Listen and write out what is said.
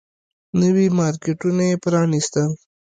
نوي مارکيټونه يې پرانيستل.